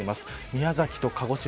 宮崎と鹿児島